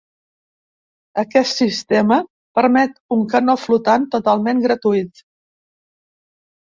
Aquest sistema permet un canó flotant totalment gratuït.